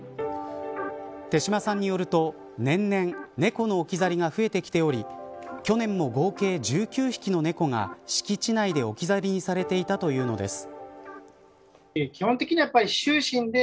手島さんによると年々、猫の置き去りが増えてきており去年も合計１９匹の猫が敷地内で置き去りにされていたというのです。